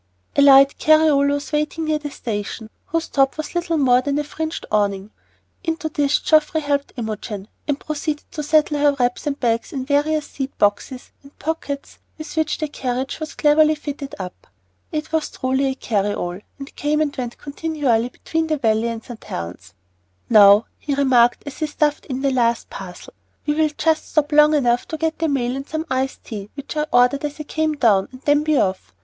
A light carryall was waiting near the station, whose top was little more than a fringed awning. Into this Geoffrey helped Imogen, and proceeded to settle her wraps and bags in various seat boxes and pockets with which the carriage was cleverly fitted up. It was truly a carry all and came and went continually between the valley and St. Helen's. "Now," he remarked as he stuffed in the last parcel, "we will just stop long enough to get the mail and some iced tea, which I ordered as I came down, and then be off.